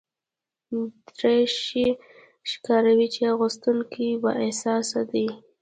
دریشي ښکاروي چې اغوستونکی بااحساسه دی.